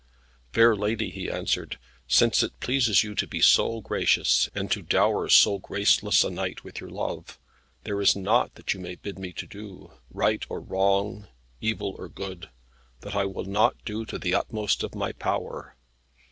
"Fair lady," he answered, "since it pleases you to be so gracious, and to dower so graceless a knight with your love, there is naught that you may bid me do right or wrong, evil or good that I will not do to the utmost of my power.